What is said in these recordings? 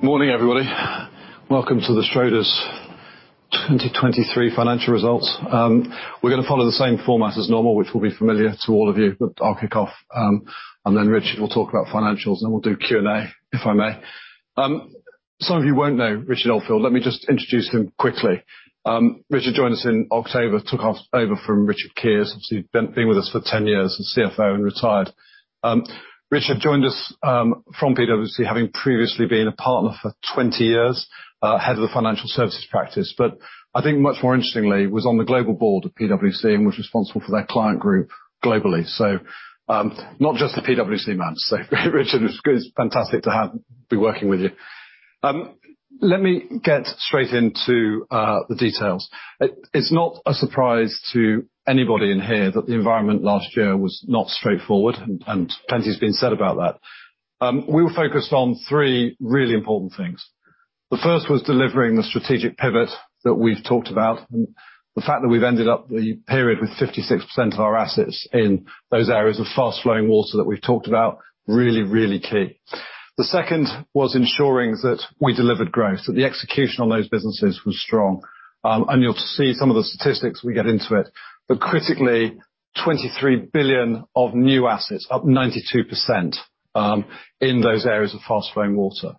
Morning, everybody. Welcome to the Schroders 2023 financial results. We're going to follow the same format as normal, which will be familiar to all of you, but I'll kick off, and then Richard will talk about financials and then we'll do Q&A, if I may. Some of you won't know Richard Oldfield. Let me just introduce him quickly. Richard joined us in October, took over from Richard Keers, obviously been with us for 10 years as CFO and retired. Richard joined us from PwC, having previously been a partner for 20 years, head of the financial services practice, but I think much more interestingly was on the global board of PwC and was responsible for their client group globally. So, not just the PwC man. So Richard, it's fantastic to be working with you. Let me get straight into the details. It's not a surprise to anybody in here that the environment last year was not straightforward, and plenty's been said about that. We were focused on three really important things. The first was delivering the strategic pivot that we've talked about, and the fact that we've ended up the period with 56% of our assets in those areas of fast-flowing water that we've talked about, really, really key. The second was ensuring that we delivered growth, that the execution on those businesses was strong. And you'll see some of the statistics when we get into it. But critically, 23 billion of new assets, up 92%, in those areas of fast-flowing water.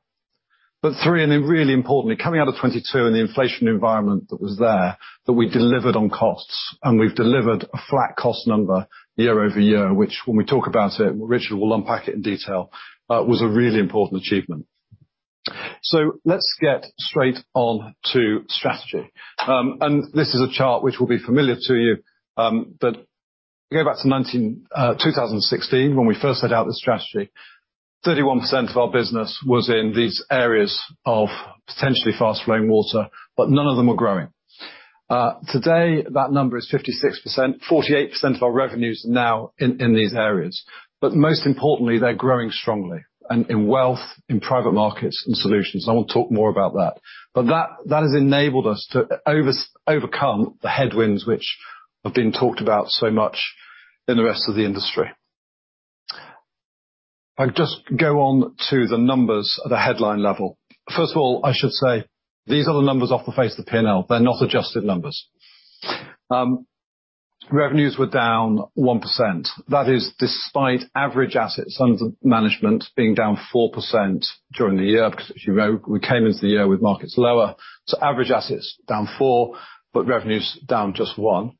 But three, and then really importantly, coming out of 2022 and the inflation environment that was there, that we delivered on costs. We've delivered a flat cost number year-over-year, which when we talk about it, Richard will unpack it in detail, was a really important achievement. So let's get straight on to strategy. This is a chart which will be familiar to you, but go back to 2016 when we first set out the strategy. 31% of our business was in these areas of potentially fast-flowing water, but none of them were growing. Today that number is 56%. 48% of our revenues are now in these areas. But most importantly, they're growing strongly in wealth, in private markets, and solutions. And I want to talk more about that. But that has enabled us to overcome the headwinds which have been talked about so much in the rest of the industry. I'll just go on to the numbers at a headline level. First of all, I should say these are the numbers off the face of the P&L. They're not adjusted numbers. Revenues were down 1%. That is despite average assets under management being down 4% during the year because, you know, we came into the year with markets lower. So average assets down 4%, but revenues down just 1%.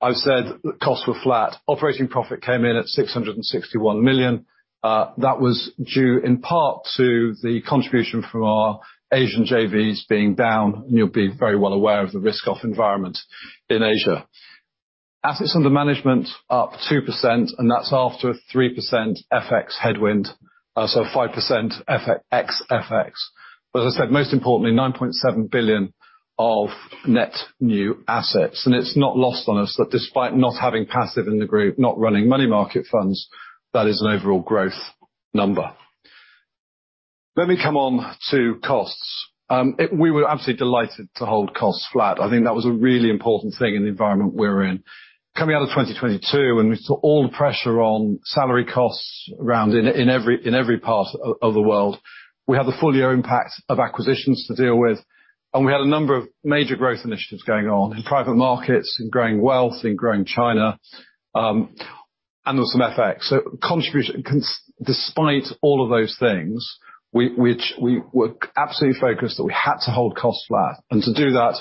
I've said that costs were flat. Operating profit came in at 661 million. That was due in part to the contribution from our Asian JVs being down, and you'll be very well aware of the risk-off environment in Asia. Assets under management up 2%, and that's after a 3% FX headwind, so 5% FX. But as I said, most importantly, 9.7 billion of net new assets. And it's not lost on us that despite not having passive in the group, not running money market funds, that is an overall growth number. Let me come on to costs. We were absolutely delighted to hold costs flat. I think that was a really important thing in the environment we were in. Coming out of 2022 when we saw all the pressure on salary costs around in every part of the world, we had the full-year impact of acquisitions to deal with, and we had a number of major growth initiatives going on in private markets, in growing wealth, in growing China, and there was some FX. So contribution despite all of those things, we were absolutely focused that we had to hold costs flat. And to do that,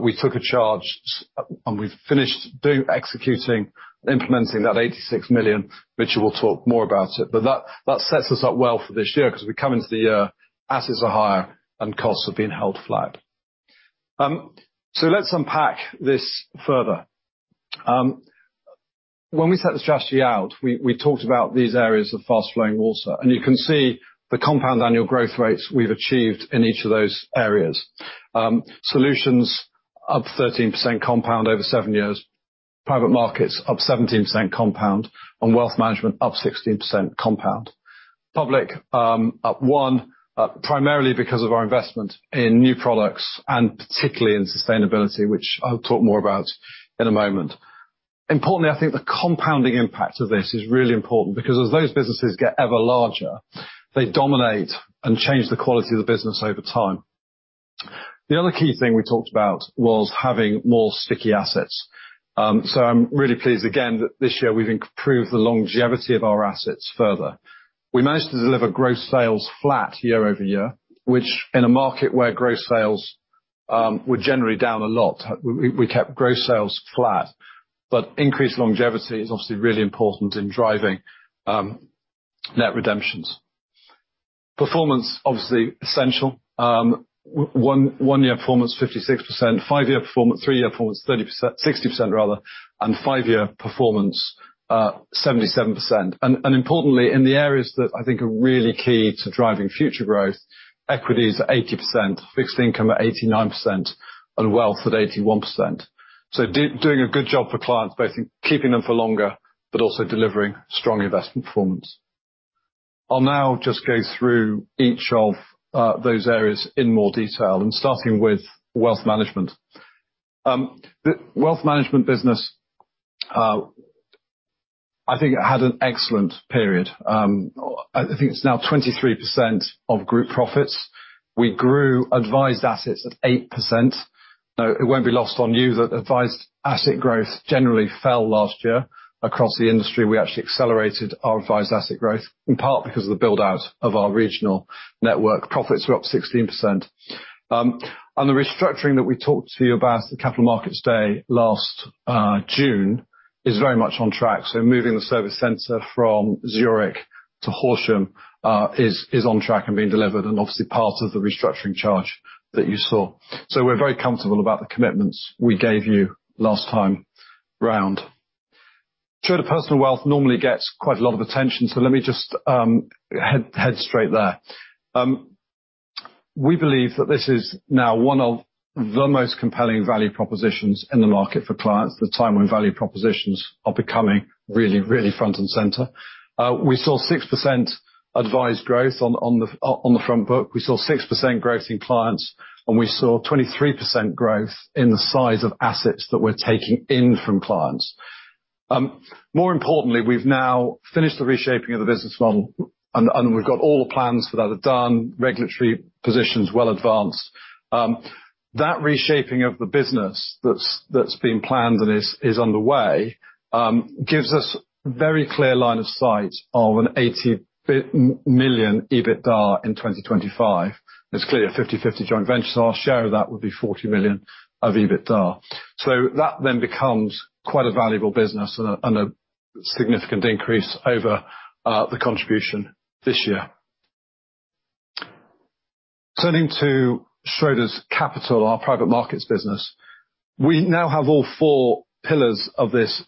we took a charge, and we've finished doing executing and implementing that 86 million, which you will talk more about. But that sets us up well for this year because we come into the year, assets are higher, and costs have been held flat. So let's unpack this further. When we set the strategy out, we talked about these areas of fast-flowing water. You can see the compound annual growth rates we've achieved in each of those areas. Solutions up 13% compound over seven years, private markets up 17% compound, and wealth management up 16% compound. Public, up 1%, primarily because of our investment in new products and particularly in sustainability, which I'll talk more about in a moment. Importantly, I think the compounding impact of this is really important because as those businesses get ever larger, they dominate and change the quality of the business over time. The other key thing we talked about was having more sticky assets. So I'm really pleased again that this year we've improved the longevity of our assets further. We managed to deliver gross sales flat year-over-year, which in a market where gross sales were generally down a lot, we kept gross sales flat. But increased longevity is obviously really important in driving net redemptions. Performance, obviously, essential. One-year performance 56%, five-year performance, three-year performance 30% 60% rather, and five-year performance 77%. And importantly, in the areas that I think are really key to driving future growth, equities at 80%, fixed income at 89%, and wealth at 81%. So doing a good job for clients, both in keeping them for longer but also delivering strong investment performance. I'll now just go through each of those areas in more detail, and starting with wealth management. The wealth management business, I think had an excellent period. I think it's now 23% of group profits. We grew advised assets at 8%. Now, it won't be lost on you that advised asset growth generally fell last year across the industry. We actually accelerated our advised asset growth in part because of the build-out of our regional network. Profits were up 16%, and the restructuring that we talked to you about at the Capital Markets Day last June is very much on track. So moving the service centre from Zurich to Horsham is on track and being delivered, and obviously part of the restructuring charge that you saw. So we're very comfortable about the commitments we gave you last time round. Schroders Personal Wealth normally gets quite a lot of attention, so let me just head straight there. We believe that this is now one of the most compelling value propositions in the market for clients, the time when value propositions are becoming really, really front and center. We saw 6% advised growth on the front book. We saw 6% growth in clients, and we saw 23% growth in the size of assets that we're taking in from clients. More importantly, we've now finished the reshaping of the business model, and we've got all the plans for that are done, regulatory positions well advanced. That reshaping of the business that's been planned and is underway gives us a very clear line of sight of a 80 million EBITDA in 2025. It's clear a 50/50 joint venture. So our share of that would be 40 million of EBITDA. So that then becomes quite a valuable business and a significant increase over the contribution this year. Turning to Schroders Capital, our private markets business, we now have all four pillars of this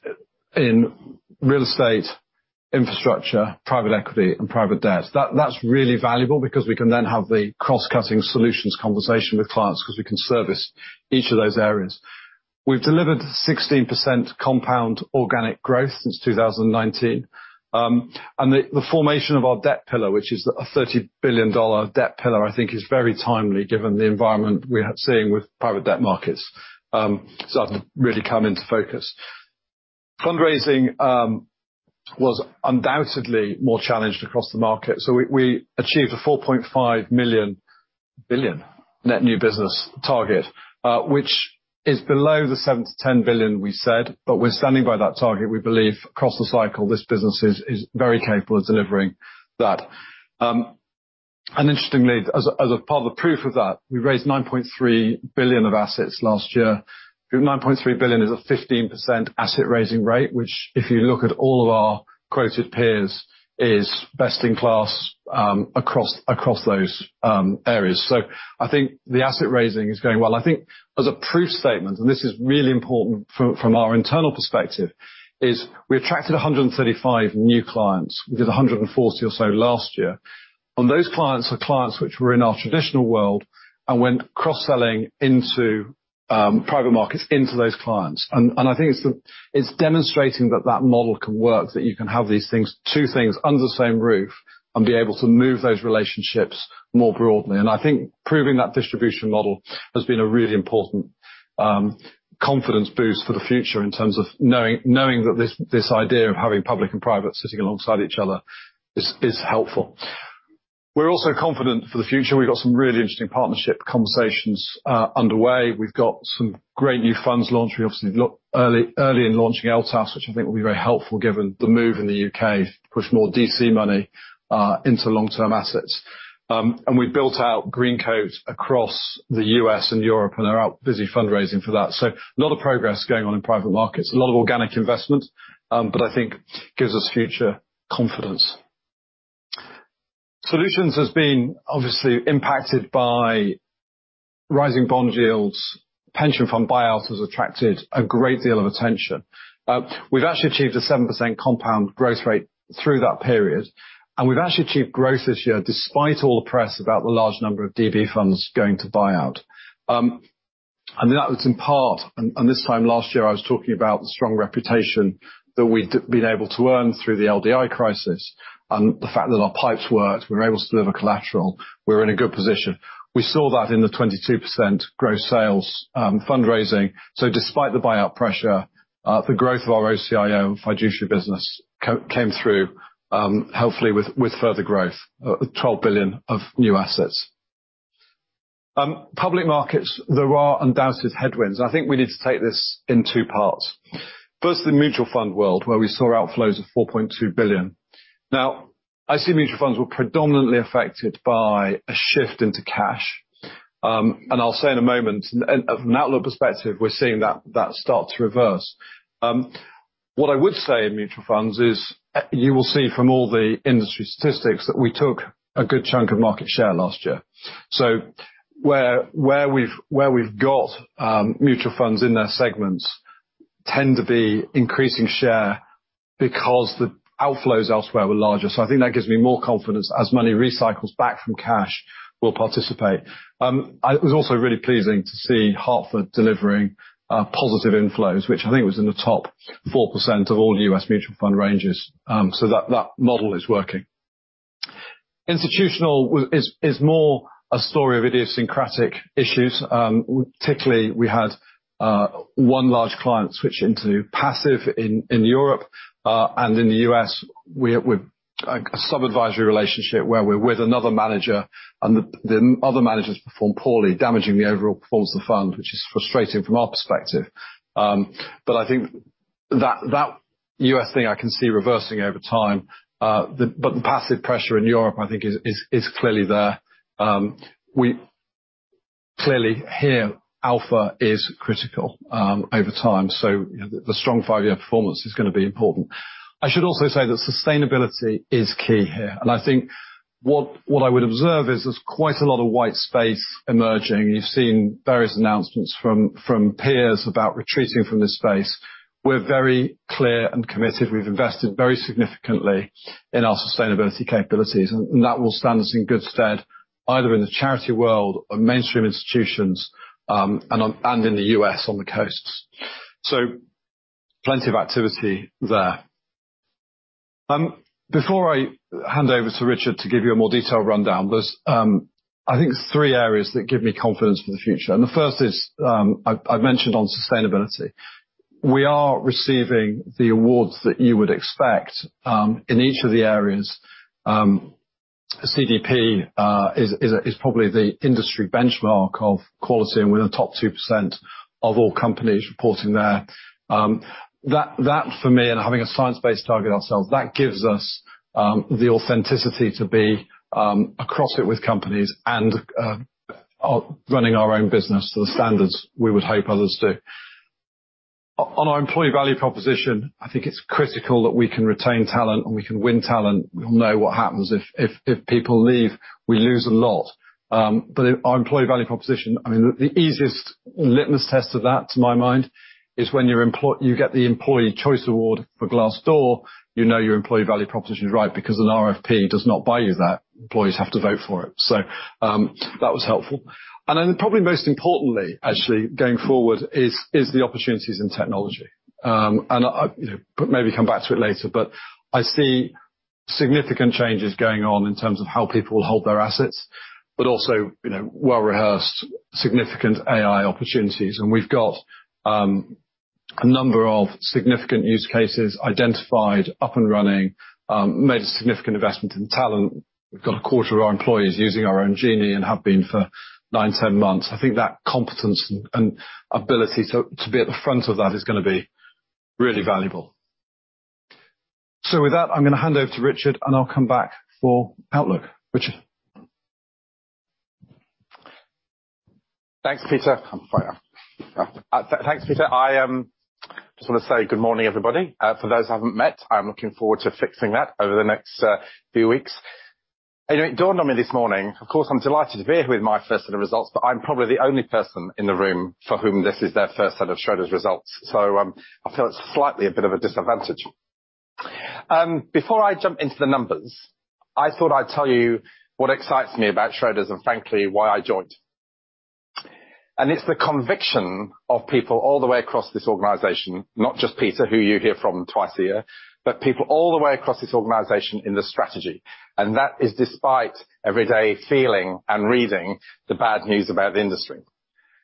in real estate, infrastructure, private equity, and private debt. That's really valuable because we can then have the cross-cutting solutions conversation with clients because we can service each of those areas. We've delivered 16% compound organic growth since 2019. And the formation of our debt pillar, which is a $30 billion debt pillar, I think is very timely given the environment we're seeing with private debt markets. It's started to really come into focus. Fundraising was undoubtedly more challenged across the market. So we achieved a 4.5 billion net new business target, which is below the 7 billion-10 billion we said. But we're standing by that target. We believe across the cycle this business is very capable of delivering that. And interestingly, as a part of the proof of that, we raised 9.3 billion of assets last year. 9.3 billion is a 15% asset raising rate, which if you look at all of our quoted peers, is best in class, across those areas. So I think the asset raising is going well. I think as a proof statement, and this is really important from our internal perspective, is we attracted 135 new clients. We did 140 or so last year. Those clients are clients which were in our traditional world and went cross-selling into private markets into those clients. I think it's demonstrating that that model can work, that you can have these two things under the same roof and be able to move those relationships more broadly. I think proving that distribution model has been a really important confidence boost for the future in terms of knowing that this idea of having public and private sitting alongside each other is helpful. We're also confident for the future. We've got some really interesting partnership conversations underway. We've got some great new funds launched. We obviously looked early in launching LTAF, which I think will be very helpful given the move in the U.K. to push more DC money into long-term assets. And we've built out Greencoat across the U.S. and Europe and are busy fundraising for that. So a lot of progress going on in private markets. A lot of organic investment, but I think gives us future confidence. Solutions has been obviously impacted by rising bond yields. Pension fund buyouts have attracted a great deal of attention. We've actually achieved a 7% compound growth rate through that period, and we've actually achieved growth this year despite all the press about the large number of DB funds going to buyout. And that was in part, and this time last year I was talking about the strong reputation that we'd been able to earn through the LDI crisis and the fact that our pipes worked. We were able to deliver collateral. We were in a good position. We saw that in the 22% gross sales, fundraising. So despite the buyout pressure, the growth of our OCIO fiduciary business came through, hopefully with further growth, 12 billion of new assets. Public markets, there are undoubted headwinds. And I think we need to take this in two parts. First, the mutual fund world where we saw outflows of 4.2 billion. Now, I see mutual funds were predominantly affected by a shift into cash. And I'll say in a moment, from an outlook perspective, we're seeing that start to reverse. What I would say in mutual funds is you will see from all the industry statistics that we took a good chunk of market share last year. So where we've got, mutual funds in their segments tend to be increasing share because the outflows elsewhere were larger. So I think that gives me more confidence as money recycles back from cash will participate. It was also really pleasing to see Hartford delivering positive inflows, which I think was in the top 4% of all U.S. mutual fund ranges. So that model is working. Institutional is more a story of idiosyncratic issues. Particularly, we had one large client switch into passive in Europe. And in the U.S., we're in a sub-advisory relationship where we're with another manager, and the other managers perform poorly, damaging the overall performance of the fund, which is frustrating from our perspective. But I think that U.S. thing I can see reversing over time. But the passive pressure in Europe, I think, is clearly there. We clearly hear alpha is critical, over time. So the strong five-year performance is going to be important. I should also say that sustainability is key here. And I think what I would observe is there's quite a lot of white space emerging. You've seen various announcements from peers about retreating from this space. We're very clear and committed. We've invested very significantly in our sustainability capabilities. And that will stand us in good stead either in the charity world or mainstream institutions, and in the U.S. on the coasts. So plenty of activity there. Before I hand over to Richard to give you a more detailed rundown, there's, I think, three areas that give me confidence for the future. The first is, I've mentioned on sustainability. We are receiving the awards that you would expect, in each of the areas. CDP is probably the industry benchmark of quality and within the top 2% of all companies reporting there. That for me and having a science-based target ourselves, that gives us, the authenticity to be, across it with companies and, running our own business to the standards we would hope others do. On our employee value proposition, I think it's critical that we can retain talent and we can win talent. We'll know what happens. If people leave, we lose a lot. But our employee value proposition, I mean, the easiest litmus test of that to my mind is when you get the Employee Choice Award for Glassdoor, you know your employee value proposition is right because an RFP does not buy you that. Employees have to vote for it. So, that was helpful. And then probably most importantly, actually, going forward is the opportunities in technology. And I maybe come back to it later, but I see significant changes going on in terms of how people will hold their assets, but also, you know, well-rehearsed, significant AI opportunities. And we've got, a number of significant use cases identified, up and running, made a significant investment in talent. We've got a quarter of our employees using our own Genie and have been for nine, 10 months. I think that competence and ability to be at the front of that is going to be really valuable. So with that, I'm going to hand over to Richard, and I'll come back for outlook. Richard. Thanks, Peter. I'm fine now. Thanks, Peter. I just want to say good morning, everybody. For those who haven't met, I'm looking forward to fixing that over the next few weeks. Anyway, dawned on me this morning, of course, I'm delighted to be here with my first set of results, but I'm probably the only person in the room for whom this is their first set of Schroders results. So I feel it's slightly a bit of a disadvantage. Before I jump into the numbers, I thought I'd tell you what excites me about Schroders and, frankly, why I joined. It's the conviction of people all the way across this organization, not just Peter, who you hear from twice a year, but people all the way across this organization in the strategy. That is despite everyday feeling and reading the bad news about the industry.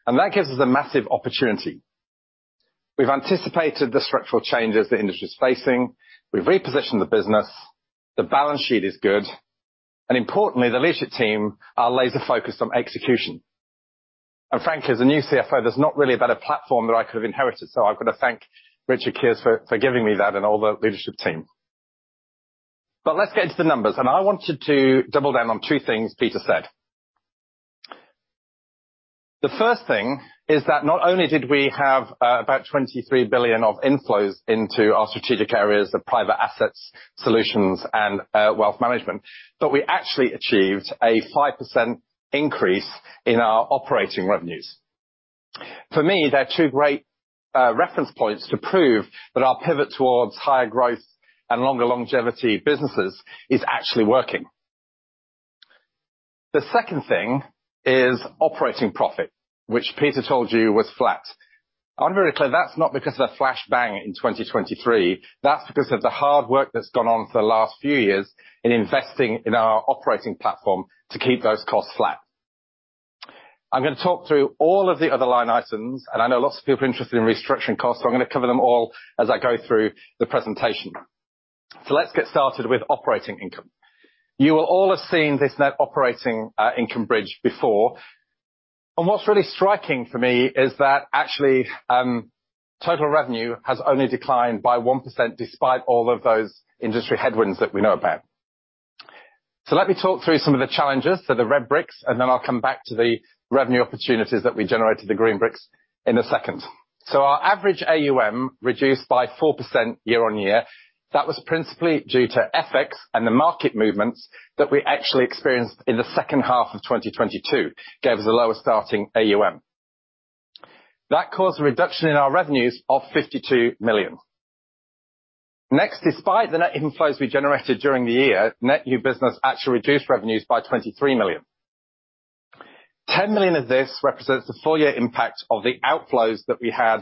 That gives us a massive opportunity. We've anticipated the structural changes the industry is facing. We've repositioned the business. The balance sheet is good. Importantly, the leadership team are laser-focused on execution. Frankly, as a new CFO, there's not really a better platform that I could have inherited. I've got to thank Richard Keers for giving me that and all the leadership team. Let's get into the numbers. I wanted to double down on two things Peter said. The first thing is that not only did we have about 23 billion of inflows into our strategic areas of private assets, solutions, and wealth management, but we actually achieved a 5% increase in our operating revenues. For me, they're two great reference points to prove that our pivot towards higher growth and longer longevity businesses is actually working. The second thing is operating profit, which Peter told you was flat. I want to be very clear. That's not because of a flash bang in 2023. That's because of the hard work that's gone on for the last few years in investing in our operating platform to keep those costs flat. I'm going to talk through all of the other line items. I know lots of people are interested in restructuring costs, so I'm going to cover them all as I go through the presentation. Let's get started with operating income. You will all have seen this net operating income bridge before. What's really striking for me is that actually, total revenue has only declined by 1% despite all of those industry headwinds that we know about. Let me talk through some of the challenges. The red bricks. Then I'll come back to the revenue opportunities that we generated the green bricks in a second. So our average AUM reduced by 4% year-over-year. That was principally due to FX and the market movements that we actually experienced in the second half of 2022 that gave us a lower starting AUM. That caused a reduction in our revenues of 52 million. Next, despite the net inflows we generated during the year, net new business actually reduced revenues by 23 million. 10 million of this represents the full-year impact of the outflows that we had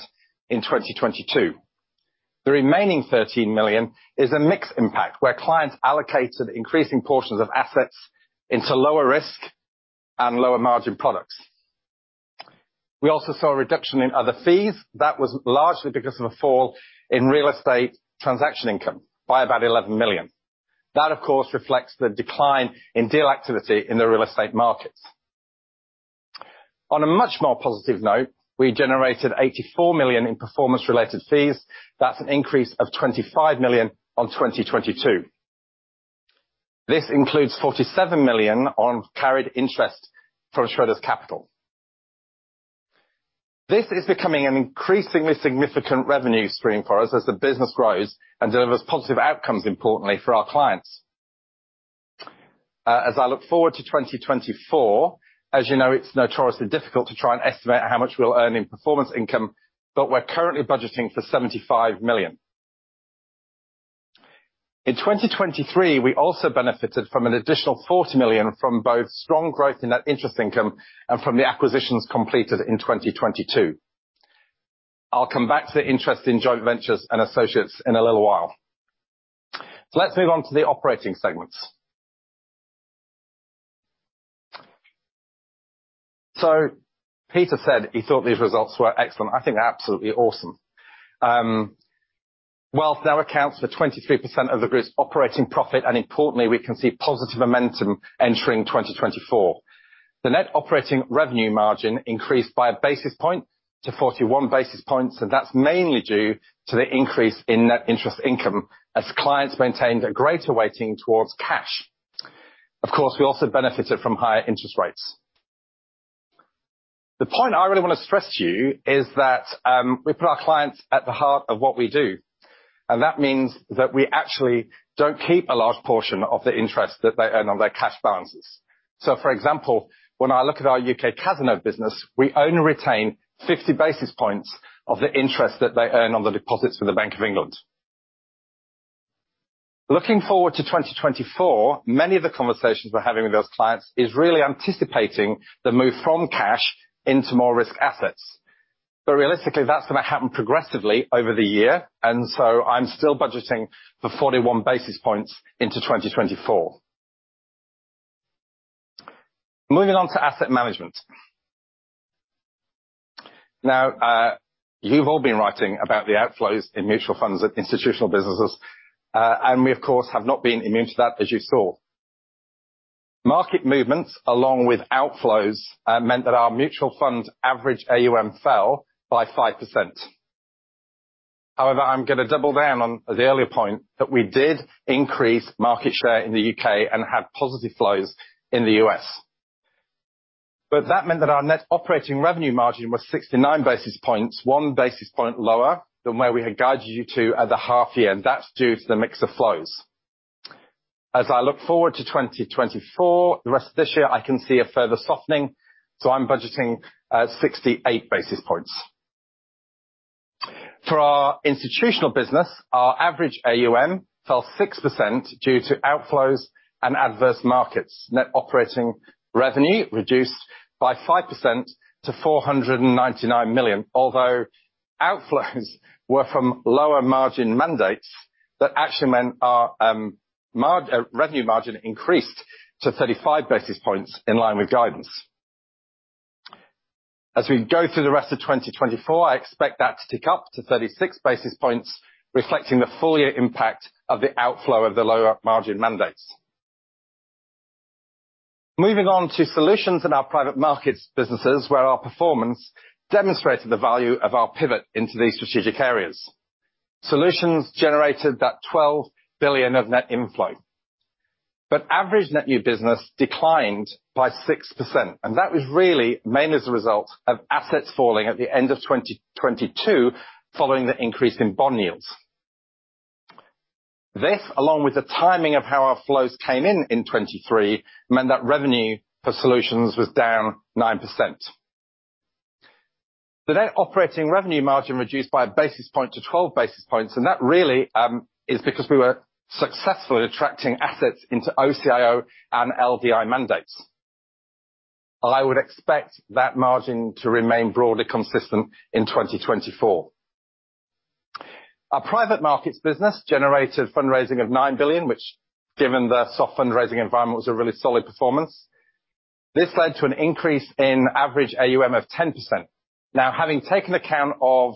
in 2022. The remaining 13 million is a mixed impact where clients allocated increasing portions of assets into lower risk and lower margin products. We also saw a reduction in other fees. That was largely because of a fall in real estate transaction income by about 11 million. That, of course, reflects the decline in deal activity in the real estate markets. On a much more positive note, we generated 84 million in performance-related fees. That's an increase of 25 million on 2022. This includes 47 million on carried interest from Schroders Capital. This is becoming an increasingly significant revenue stream for us as the business grows and delivers positive outcomes, importantly, for our clients. As I look forward to 2024, as you know, it's notoriously difficult to try and estimate how much we'll earn in performance income, but we're currently budgeting for 75 million. In 2023, we also benefited from an additional 40 million from both strong growth in net interest income and from the acquisitions completed in 2022. I'll come back to the interest in joint ventures and associates in a little while. Let's move on to the operating segments. Peter said he thought these results were excellent. I think they're absolutely awesome. Wealth now accounts for 23% of the group's operating profit. Importantly, we can see positive momentum entering 2024. The net operating revenue margin increased by 1 basis point to 41 basis points. That's mainly due to the increase in net interest income as clients maintained a greater weighting towards cash. Of course, we also benefited from higher interest rates. The point I really want to stress to you is that we put our clients at the heart of what we do. That means that we actually don't keep a large portion of the interest that they earn on their cash balances. For example, when I look at our U.K. Cazenove business, we only retain 50 basis points of the interest that they earn on the deposits for the Bank of England. Looking forward to 2024, many of the conversations we're having with those clients is really anticipating the move from cash into more risk assets. But realistically, that's going to happen progressively over the year. And so I'm still budgeting for 41 basis points into 2024. Moving on to asset management. Now, you've all been writing about the outflows in mutual funds at institutional businesses. And we, of course, have not been immune to that, as you saw. Market movements along with outflows meant that our mutual fund average AUM fell by 5%. However, I'm going to double down on the earlier point that we did increase market share in the U.K. and had positive flows in the U.S.. But that meant that our net operating revenue margin was 69 basis points, 1 basis point lower than where we had guided you to at the half year. That's due to the mix of flows. As I look forward to 2024, the rest of this year, I can see a further softening. So I'm budgeting at 68 basis points. For our institutional business, our average AUM fell 6% due to outflows and adverse markets. Net operating revenue reduced by 5% to 499 million, although outflows were from lower margin mandates that actually meant our revenue margin increased to 35 basis points in line with guidance. As we go through the rest of 2024, I expect that to tick up to 36 basis points, reflecting the full-year impact of the outflow of the lower margin mandates. Moving on to solutions in our private markets businesses where our performance demonstrated the value of our pivot into these strategic areas. Solutions generated that 12 billion of net inflow but average net new business declined by 6%. That was really mainly as a result of assets falling at the end of 2022 following the increase in bond yields. This, along with the timing of how our flows came in in 2023, meant that revenue for solutions was down 9%. The net operating revenue margin reduced by 1 basis point to 12 basis points. And that really is because we were successful at attracting assets into OCIO and LDI mandates. I would expect that margin to remain broadly consistent in 2024. Our private markets business generated fundraising of 9 billion, which, given the soft fundraising environment, was a really solid performance. This led to an increase in average AUM of 10%. Now, having taken account of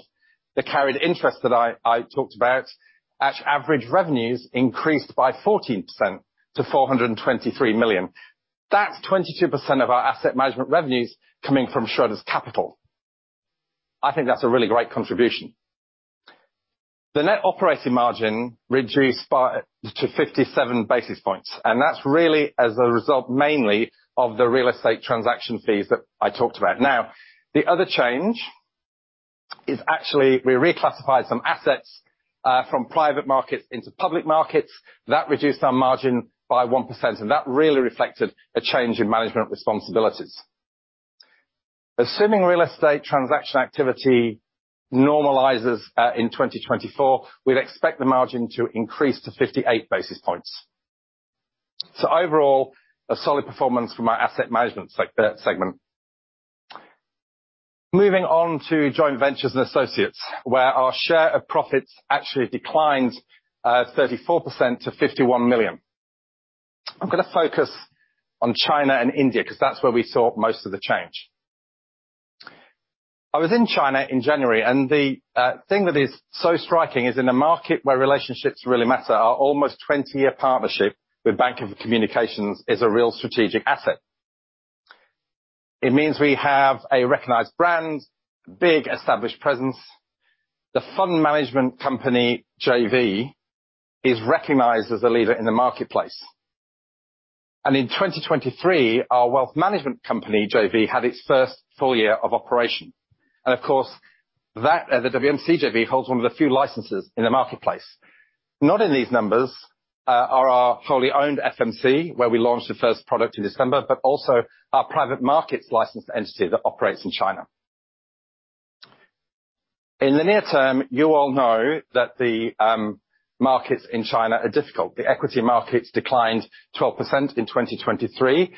the carried interest that I talked about, actually, average revenues increased by 14% to 423 million. That's 22% of our asset management revenues coming from Schroders Capital. I think that's a really great contribution. The net operating margin reduced to 57 basis points. That's really, as a result, mainly of the real estate transaction fees that I talked about. Now, the other change is actually we reclassified some assets from private markets into public markets. That reduced our margin by 1%. That really reflected a change in management responsibilities. Assuming real estate transaction activity normalizes in 2024, we'd expect the margin to increase to 58 basis points. Overall, a solid performance from our asset management segment. Moving on to joint ventures and associates where our share of profits actually declined 34% to 51 million. I'm going to focus on China and India because that's where we saw most of the change. I was in China in January. The thing that is so striking is in a market where relationships really matter, our almost 20-year partnership with Bank of Communications is a real strategic asset. It means we have a recognized brand, a big established presence. The fund management company, JV, is recognized as a leader in the marketplace. In 2023, our wealth management company, JV, had its first full year of operation. Of course, the FMC JV holds one of the few licenses in the marketplace. Not in these numbers are our wholly owned FMC, where we launched the first product in December, but also our private markets licensed entity that operates in China. In the near term, you all know that the markets in China are difficult. The equity markets declined 12% in 2023.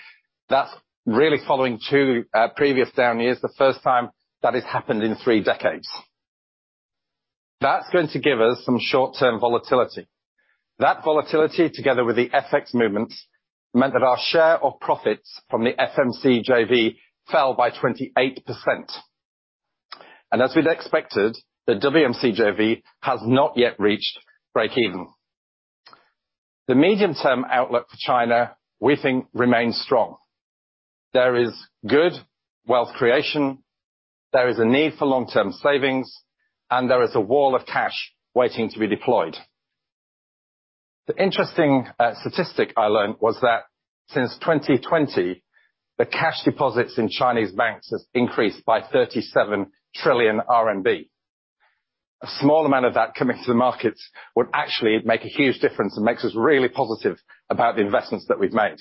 That's really following two previous down years, the first time that has happened in three decades. That's going to give us some short-term volatility. That volatility, together with the FX movements, meant that our share of profits from the FMC JV fell by 28%. As we'd expected, the WMC JV has not yet reached break-even. The medium-term outlook for China, we think, remains strong. There is good wealth creation. There is a need for long-term savings. And there is a wall of cash waiting to be deployed. The interesting statistic I learned was that since 2020, the cash deposits in Chinese banks have increased by 37 trillion RMB. A small amount of that coming to the markets would actually make a huge difference and makes us really positive about the investments that we've made.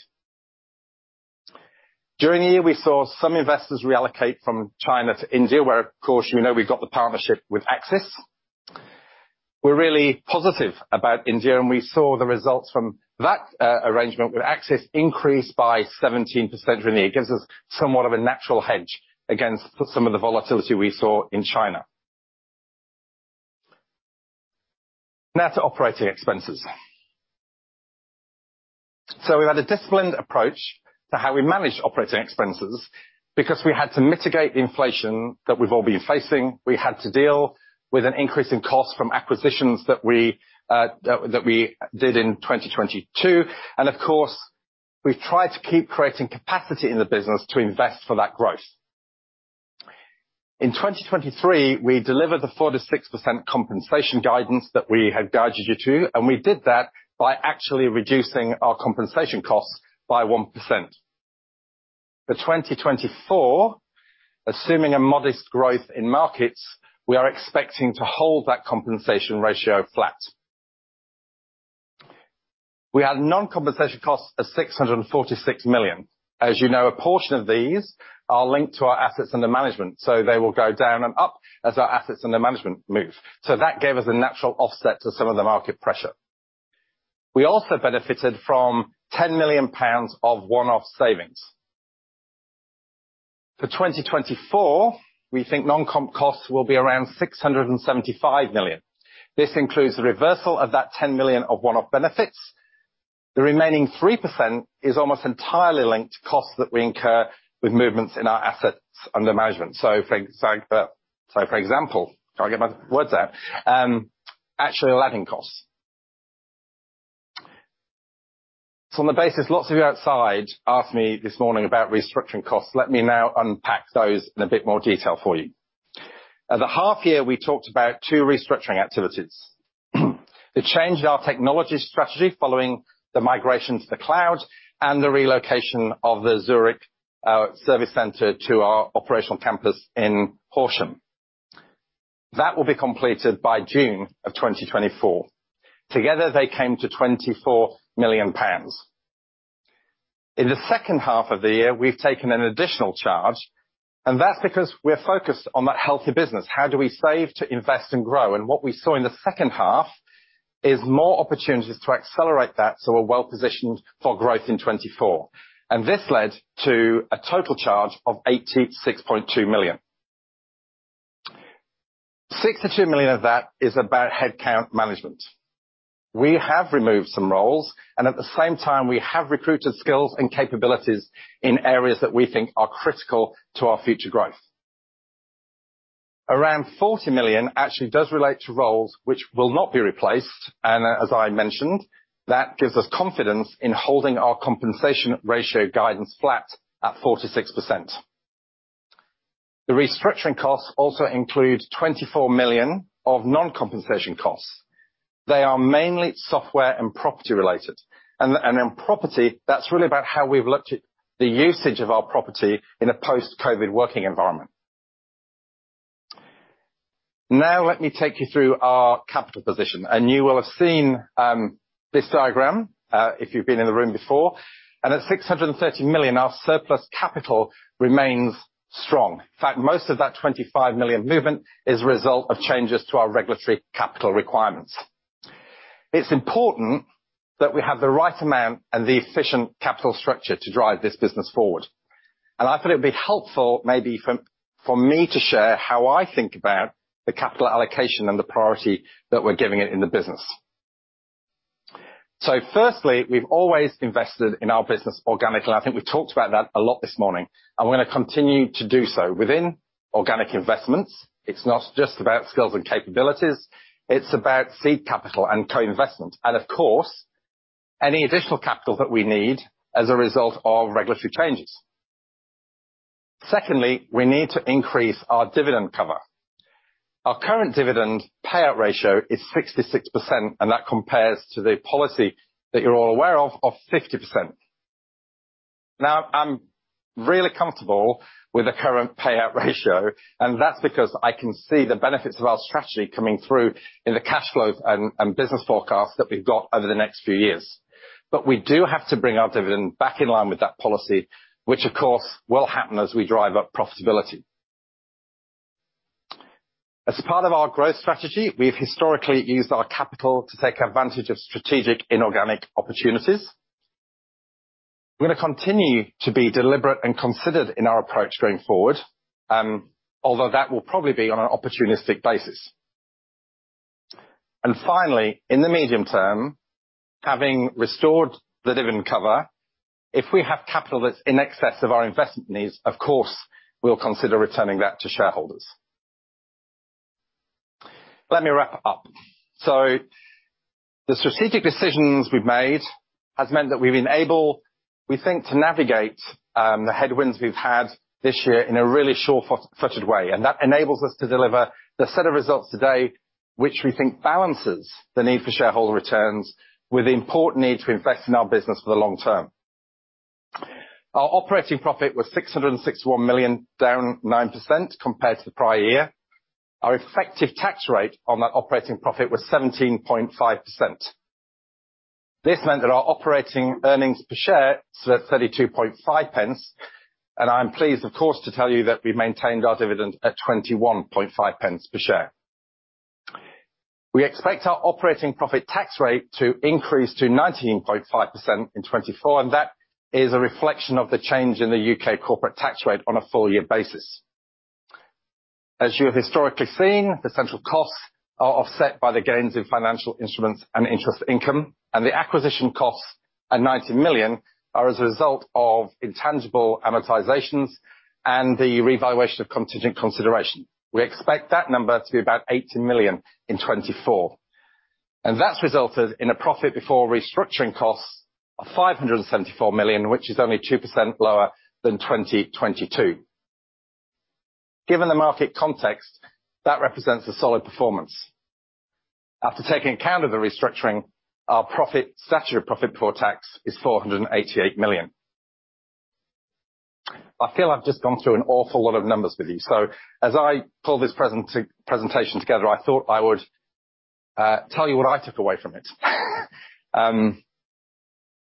During the year, we saw some investors reallocate from China to India, where, of course, you know we've got the partnership with Axis. We're really positive about India. We saw the results from that arrangement with Axis increase by 17% during the year. It gives us somewhat of a natural hedge against some of the volatility we saw in China. Now to operating expenses. So we've had a disciplined approach to how we manage operating expenses because we had to mitigate inflation that we've all been facing. We had to deal with an increase in costs from acquisitions that we did in 2022. And of course, we've tried to keep creating capacity in the business to invest for that growth. In 2023, we delivered the 4%-6% compensation guidance that we had guided you to. And we did that by actually reducing our compensation costs by 1%. For 2024, assuming a modest growth in markets, we are expecting to hold that compensation ratio flat. We had non-compensation costs of 646 million. As you know, a portion of these are linked to our assets under management. So they will go down and up as our assets under management move. So that gave us a natural offset to some of the market pressure. We also benefited from 10 million pounds of one-off savings. For 2024, we think non-comp costs will be around 675 million. This includes the reversal of that 10 million of one-off benefits. The remaining 3% is almost entirely linked to costs that we incur with movements in our assets under management. So for example, can I get my words out? Actually, Aladdin costs. So on the basis, lots of you outside asked me this morning about restructuring costs. Let me now unpack those in a bit more detail for you. At the half year, we talked about two restructuring activities. They changed our technology strategy following the migration to the cloud and the relocation of the Zurich service center to our operational campus in Horsham. That will be completed by June of 2024. Together, they came to 24 million pounds. In the second half of the year, we've taken an additional charge. That's because we're focused on that healthy business. How do we save to invest and grow? What we saw in the second half is more opportunities to accelerate that so we're well positioned for growth in 2024. This led to a total charge of 86.2 million. 62 million of that is about headcount management. We have removed some roles. At the same time, we have recruited skills and capabilities in areas that we think are critical to our future growth. Around 40 million actually does relate to roles which will not be replaced. And as I mentioned, that gives us confidence in holding our compensation ratio guidance flat at 46%. The restructuring costs also include 24 million of non-compensation costs. They are mainly software and property related. And in property, that's really about how we've looked at the usage of our property in a post-COVID working environment. Now let me take you through our capital position. And you will have seen this diagram if you've been in the room before. And at 630 million, our surplus capital remains strong. In fact, most of that 25 million movement is a result of changes to our regulatory capital requirements. It's important that we have the right amount and the efficient capital structure to drive this business forward. I thought it would be helpful maybe for me to share how I think about the capital allocation and the priority that we're giving it in the business. Firstly, we've always invested in our business organically. I think we talked about that a lot this morning. We're going to continue to do so. Within organic investments, it's not just about skills and capabilities. It's about seed capital and co-investment. Of course, any additional capital that we need as a result of regulatory changes. Secondly, we need to increase our dividend cover. Our current dividend payout ratio is 66%. That compares to the policy that you're all aware of of 50%. Now, I'm really comfortable with the current payout ratio. And that's because I can see the benefits of our strategy coming through in the cash flow and business forecast that we've got over the next few years. But we do have to bring our dividend back in line with that policy, which, of course, will happen as we drive up profitability. As part of our growth strategy, we've historically used our capital to take advantage of strategic inorganic opportunities. We're going to continue to be deliberate and considered in our approach going forward, although that will probably be on an opportunistic basis. And finally, in the medium term, having restored the dividend cover, if we have capital that's in excess of our investment needs, of course, we'll consider returning that to shareholders. Let me wrap up. The strategic decisions we've made have meant that we've been able, we think, to navigate the headwinds we've had this year in a really sure-footed way. That enables us to deliver the set of results today which we think balances the need for shareholder returns with the important need to invest in our business for the long term. Our operating profit was 661 million down 9% compared to the prior year. Our effective tax rate on that operating profit was 17.5%. This meant that our operating earnings per share were 32.5 pence. I'm pleased, of course, to tell you that we maintained our dividend at 21.5 pence per share. We expect our operating profit tax rate to increase to 19.5% in 2024. That is a reflection of the change in the U.K. corporate tax rate on a full-year basis. As you have historically seen, the central costs are offset by the gains in financial instruments and interest income. And the acquisition costs at 90 million are as a result of intangible amortizations and the revaluation of contingent consideration. We expect that number to be about 18 million in 2024. And that's resulted in a profit before restructuring costs of 574 million, which is only 2% lower than 2022. Given the market context, that represents a solid performance. After taking account of the restructuring, our statutory profit before tax is 488 million. I feel I've just gone through an awful lot of numbers with you. So as I pull this presentation together, I thought I would tell you what I took away from it.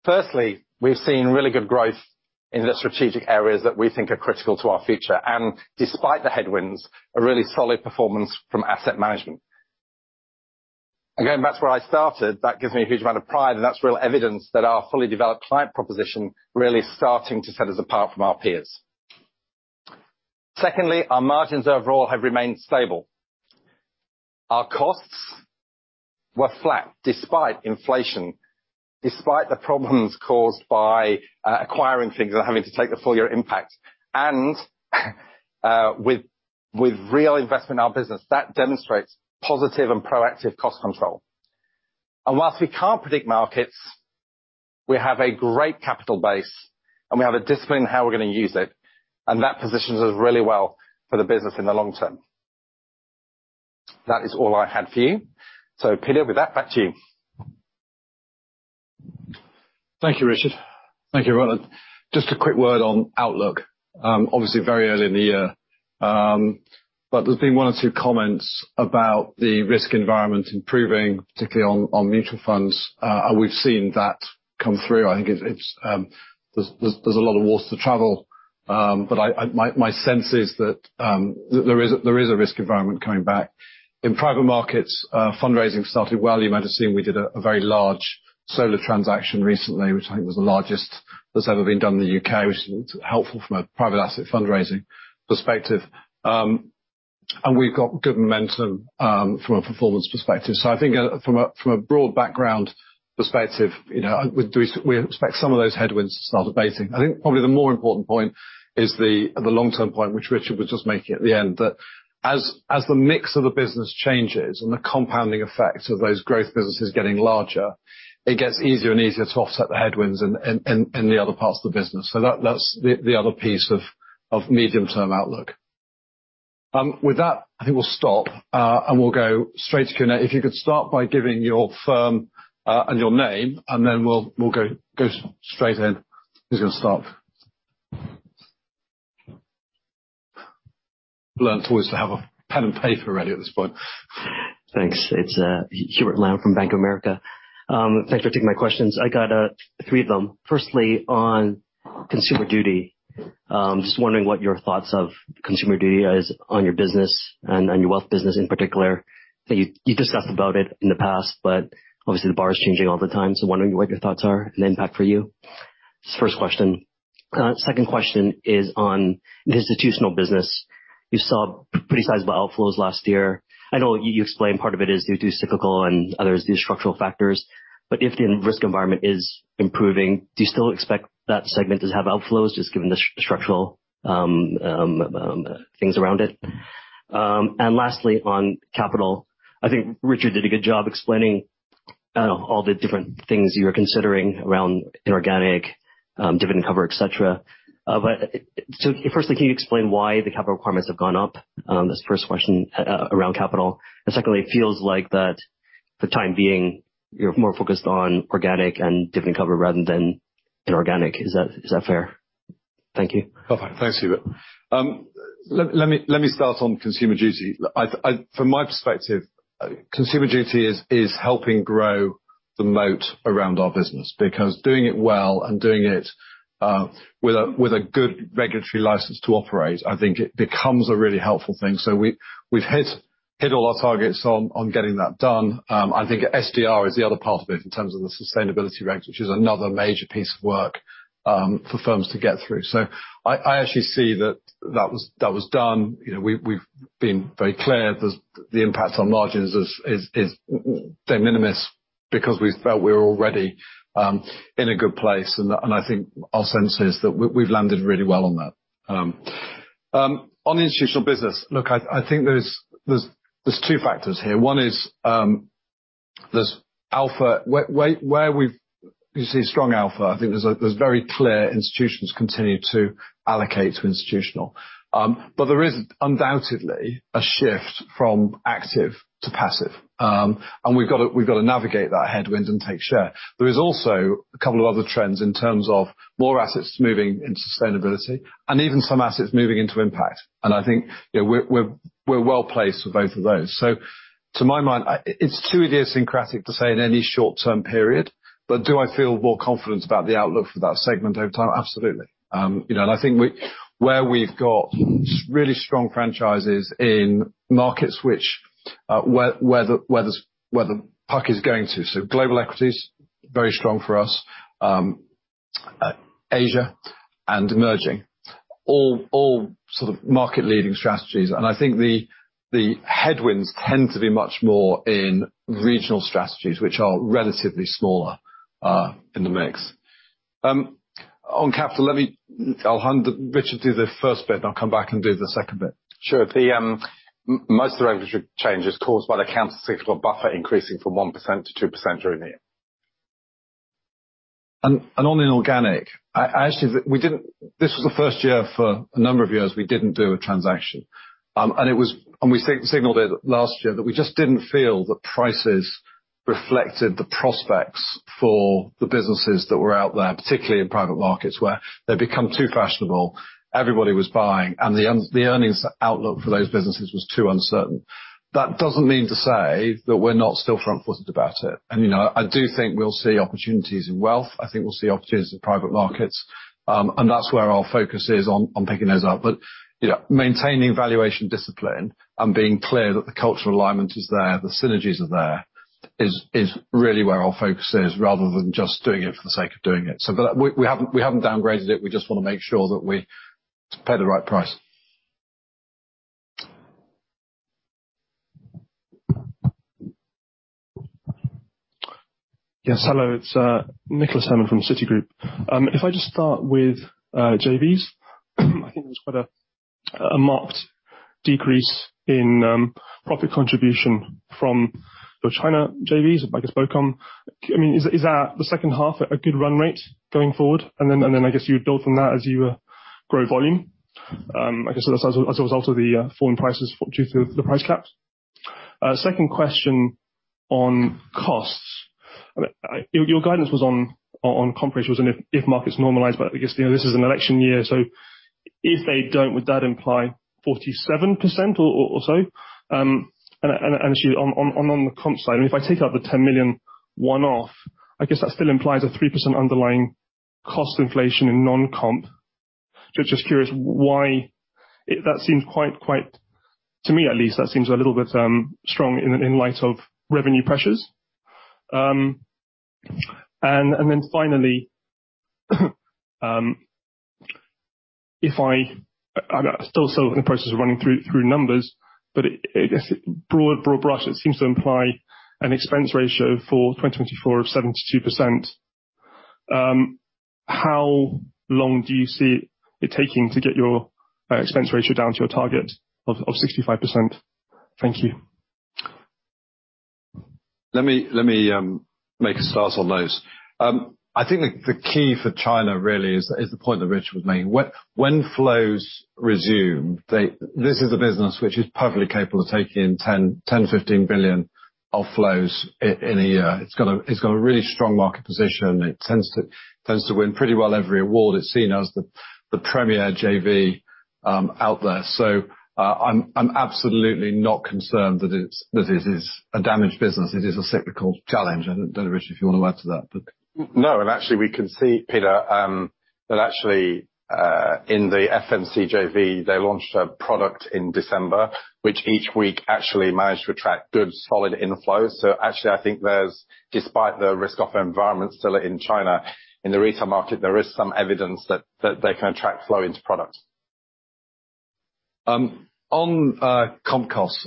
Firstly, we've seen really good growth in the strategic areas that we think are critical to our future. And despite the headwinds, a really solid performance from asset management. Again, back to where I started, that gives me a huge amount of pride. And that's real evidence that our fully developed client proposition really is starting to set us apart from our peers. Secondly, our margins overall have remained stable. Our costs were flat despite inflation, despite the problems caused by acquiring things and having to take the full-year impact. And with real investment in our business, that demonstrates positive and proactive cost control. And while we can't predict markets, we have a great capital base. And we have a discipline in how we're going to use it. And that positions us really well for the business in the long term. That is all I had for you. So Peter, with that, back to you. Thank you, Richard. Just a quick word on outlook. Obviously, very early in the year. But there's been one or two comments about the risk environment improving, particularly on mutual funds. And we've seen that come through. I think there's a lot of water to travel. But my sense is that there is a risk environment coming back. In private markets, fundraising started well. You might have seen we did a very large solar transaction recently, which I think was the largest that's ever been done in the U.K., which is helpful from a private asset fundraising perspective. And we've got good momentum from a performance perspective. So I think from a broad background perspective, we expect some of those headwinds to start abating. I think probably the more important point is the long-term point, which Richard was just making at the end, that as the mix of the business changes and the compounding effect of those growth businesses getting larger, it gets easier and easier to offset the headwinds in the other parts of the business. So that's the other piece of medium-term outlook. With that, I think we'll stop. We'll go straight to Q&A. If you could start by giving your firm and your name. Then we'll go straight in. Who's going to start? Learned always to have a pen and paper ready at this point. Thanks. It's Hubert Lam from Bank of America. Thanks for taking my questions. I got three of them. Firstly, on Consumer Duty. Just wondering what your thoughts of Consumer Duty are on your business and your wealth business in particular. I think you discussed about it in the past. But obviously, the bar is changing all the time. So wondering what your thoughts are and the impact for you. First question. Second question is on the institutional business. You saw pretty sizable outflows last year. I know you explained part of it is due to cyclical and others due to structural factors. But if the risk environment is improving, do you still expect that segment to have outflows just given the structural things around it? And lastly, on capital. I think Richard did a good job explaining all the different things you were considering around inorganic, dividend cover, etc. Firstly, can you explain why the capital requirements have gone up? That's the first question around capital. Secondly, it feels like that for the time being, you're more focused on organic and dividend cover rather than inorganic. Is that fair? Thank you. Oh, fine. Thanks, Hubert. Let me start on Consumer Duty. From my perspective, Consumer Duty is helping grow the moat around our business. Because doing it well and doing it with a good regulatory license to operate, I think it becomes a really helpful thing. So we've hit all our targets on getting that done. I think SDR is the other part of it in terms of the sustainability regs, which is another major piece of work for firms to get through. So I actually see that that was done. We've been very clear. The impact on margins is de minimis because we felt we were already in a good place. And I think our sense is that we've landed really well on that. On the institutional business, look, I think there's two factors here. One is there's alpha. You see strong alpha. I think there's very clear institutions continue to allocate to institutional. But there is undoubtedly a shift from active to passive. And we've got to navigate that headwind and take share. There is also a couple of other trends in terms of more assets moving into sustainability and even some assets moving into impact. And I think we're well placed for both of those. So to my mind, it's too idiosyncratic to say in any short-term period. But do I feel more confident about the outlook for that segment over time? Absolutely. And I think where we've got really strong franchises in markets where the puck is going to, so global equities, very strong for us, Asia, and emerging, all sort of market-leading strategies. And I think the headwinds tend to be much more in regional strategies, which are relatively smaller in the mix. On capital, I'll hand Richard do the first bit. I'll come back and do the second bit. Sure. Most of the regulatory changes caused by the counter cyclical buffer increasing from 1%-2% during the year. On inorganic, actually, this was the first year for a number of years we didn't do a transaction. We signaled it last year that we just didn't feel that prices reflected the prospects for the businesses that were out there, particularly in private markets, where they'd become too fashionable. Everybody was buying. The earnings outlook for those businesses was too uncertain. That doesn't mean to say that we're not still front-footed about it. I do think we'll see opportunities in wealth. I think we'll see opportunities in private markets. That's where our focus is on picking those up. But maintaining valuation discipline and being clear that the cultural alignment is there, the synergies are there is really where our focus is rather than just doing it for the sake of doing it. But we haven't downgraded it. We just want to make sure that we pay the right price. Yes. Hello. It's Nicholas Herman from Citigroup. If I just start with JVs, I think there was quite a marked decrease in profit contribution from your China JVs, I guess, BOCOM. I mean, is that the second half a good run rate going forward? And then I guess you would build from that as you grow volume, I guess, as a result of the fall in prices due to the price caps? Second question on costs. Your guidance was on comp ratios and if markets normalize. But I guess this is an election year. So if they don't, would that imply 47% or so? Actually, on the comp side, I mean, if I take out the 10 million one-off, I guess that still implies a 3% underlying cost inflation in non-comp, which I was just curious why that seems quite high to me, at least, that seems a little bit strong in light of revenue pressures. And then finally, if I'm still in the process of running through numbers, but I guess, broad brush, it seems to imply an expense ratio for 2024 of 72%. How long do you see it taking to get your expense ratio down to your target of 65%? Thank you. Let me make a start on those. I think the key for China really is the point that Richard was making. When flows resume, this is a business which is perfectly capable of taking in 10 billion-15 billion of flows in a year. It's got a really strong market position. It tends to win pretty well every award. It's seen as the premier JV out there. So I'm absolutely not concerned that it is a damaged business. It is a cyclical challenge. I don't know, Richard, if you want a word to that. No. And actually, we can see, Peter, that actually, in the FMC JV, they launched a product in December, which each week actually managed to attract good, solid inflows. So actually, I think despite the risk-off environment still in China, in the retail market, there is some evidence that they can attract flow into product. On comp costs,